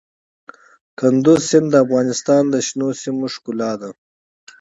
کندز سیند د افغانستان د شنو سیمو ښکلا ده.